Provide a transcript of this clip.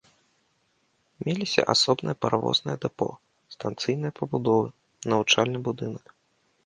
Меліся асобнае паравознае дэпо, станцыйныя пабудовы, навучальны будынак.